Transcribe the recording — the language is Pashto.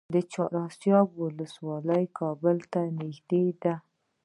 چهار اسیاب ولسوالۍ کابل ته نږدې ده؟